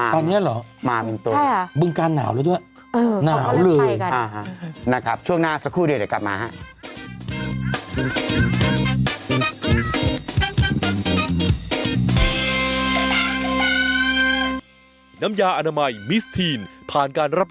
ตอนนี้หรอบึงการหนาวเลยด้วยหนาวเลยนะครับช่วงหน้าสักครู่เดี๋ยวเดี๋ยวกลับมาครับ